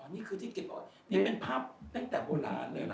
อ๋อนี่คือที่เก็บออกนี่เป็นภาพตั้งแต่โบราณเลยนะครับ